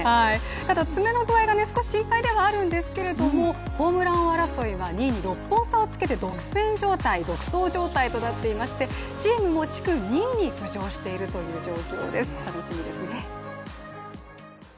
ただ、爪の具合が少し心配ではあるんですけれどもホームラン王争いは２位に６本差をつけて独走状態となっていましてチームも地区２位に浮上しているという状況です、楽しみですね。